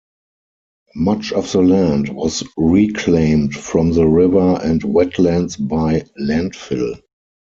Much of the land was reclaimed from the river and wetlands by landfill.